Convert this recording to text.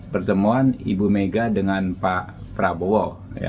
pertemuan ibu mega dengan pak prabowo